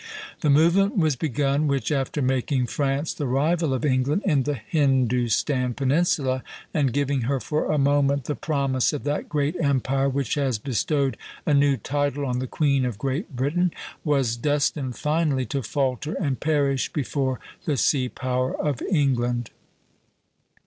The movement was begun which, after making France the rival of England in the Hindustan peninsula, and giving her for a moment the promise of that great empire which has bestowed a new title on the Queen of Great Britain, was destined finally to falter and perish before the sea power of England.